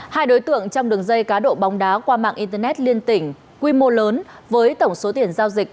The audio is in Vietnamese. hai đối tượng trong đường dây cá độ bóng đá qua mạng internet liên tỉnh quy mô lớn với tổng số tiền giao dịch